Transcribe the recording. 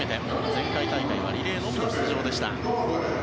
前回大会はリレーのみの出場でした。